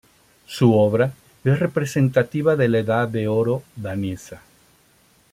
Su obra es representativa de la Edad de Oro danesa.